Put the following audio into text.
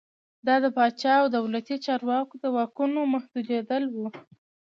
دا د پاچا او دولتي چارواکو د واکونو محدودېدل و.